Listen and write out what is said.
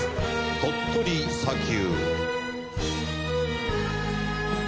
『鳥取砂丘』。